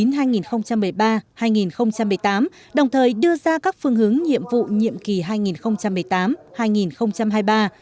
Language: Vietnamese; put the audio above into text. nhiệm kỳ hai nghìn một mươi ba hai nghìn một mươi tám đồng thời đưa ra các phương hướng nhiệm vụ nhiệm kỳ hai nghìn một mươi tám hai nghìn hai mươi ba